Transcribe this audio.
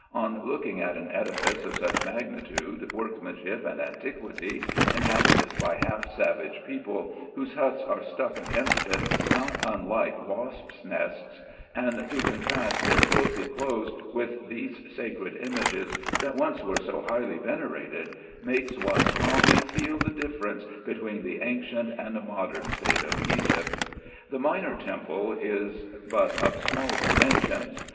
On looking at an edifice of such magnitude, workmanship, and an tiquity, inhabited by a half savage people, whose huts are stuck against it, not unlike wasps' nests, and to contrast their filthy clothes with these sacred images, that once were so highly venerated, makes one strongly feel the difference between the ancient and modern state of Egypt. The minor temple is but of small dimen sions.